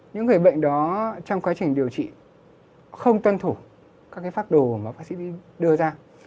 những người bệnh đó trong quá trình điều trị không tân thủ các cái pháp đồ mà bác sĩ đưa ra